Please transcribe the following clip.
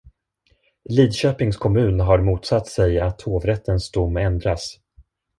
Lidköpings kommun har motsatt sig att hovrättens dom ändras.